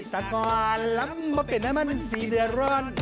สักกว่าล้ำบางเป็นแม่มันเสียเร้าร้อน